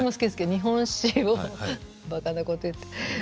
日本史ばかなこと言って。